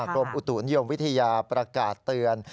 กรมอุตุษยนต์ยนต์วิทยาประกาศเตือน